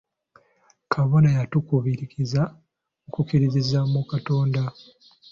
Kabona yatukubirizza okukkiririza mu Katonda.